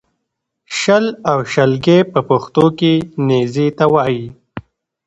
شل او شلګی په پښتو کې نېزې ته وایې